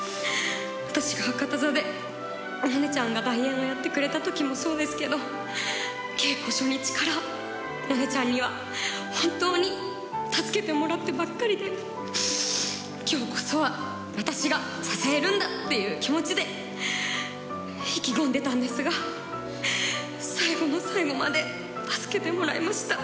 私が博多座で萌音ちゃんが代演をやってくれたときもそうですけど、稽古初日から、萌音ちゃんには本当に助けてもらってばっかりで、きょうこそは私が支えるんだっていう気持ちで意気込んでたんですが、最後の最後まで助けてもらいました。